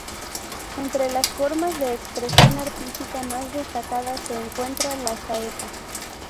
Entre las formas de expresión artística más destacadas se encuentra la saeta.